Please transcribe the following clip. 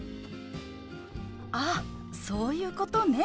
ああそういうことね。